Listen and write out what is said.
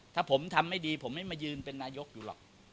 ถ้าผมทำไม่ดีผมไม่มายืนเป็นนายกอยู่หรอก